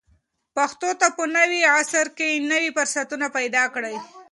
پښتو ته په نوي عصر کې نوي فرصتونه پیدا کړئ.